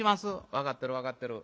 「分かってる分かってる。